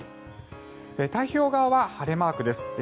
太平洋側は晴れマークです。